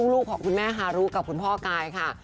ลูกของคุณแม่ฮารุกับคุณพ่อกายค่ะ